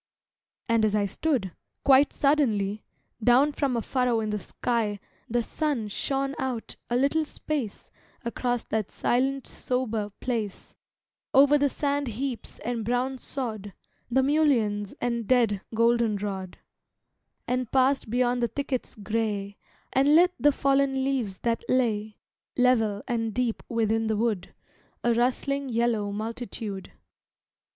And as I stood, quite suddenly, Down from a furrow in the sky The sun shone out a little space Across that silent sober place, Over the sand heaps and brown sod, The mulleins and dead goldenrod, And passed beyond the thickets gray, And lit the fallen leaves that lay, Level and deep within the wood, A rustling yellow multitude.